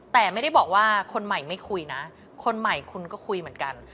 แต่ไม่ได้บอกว่าคนใหม่ไม่คุยนะคนใหม่คุณก็คุยเหมือนกัน